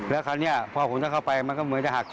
แล้วคราวนี้พอผมจะเข้าไปมันก็เหมือนจะหัก